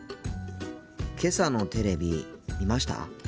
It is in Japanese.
けさのテレビ見ました？